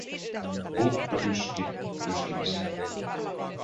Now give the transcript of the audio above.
Uffe yski yskimistään.